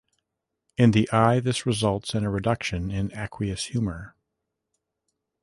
In the eye this results in a reduction in aqueous humour.